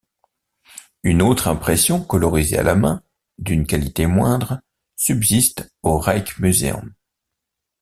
Une autre impression colorisée à la main, d'une qualité moindre, subsiste au Rijksmuseum.